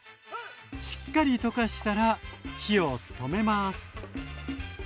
しっかり溶かしたら火を止めます。